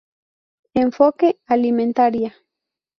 Enfoque Alimentaria.